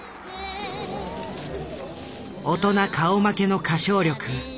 大人顔負けの歌唱力。